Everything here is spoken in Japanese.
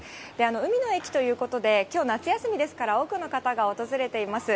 海の駅ということで、きょう、夏休みですから、多くの方が訪れています。